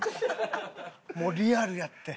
もうリアルやって。